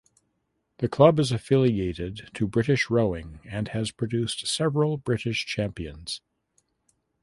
The club is affiliated to British Rowing and has produced several British champions.